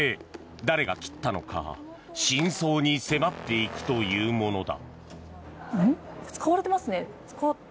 誰が切ったのか真相に迫っていくというものだ。